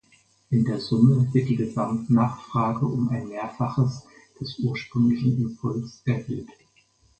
In der Summe wird die Gesamtnachfrage um ein Mehrfaches des ursprünglichen Impuls erhöht.